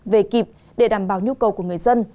về kịp để đảm bảo nhu cầu của người dân